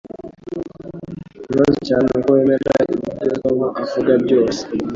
Ikibazo cyawe nuko wemera ibyo Tom avuga byose.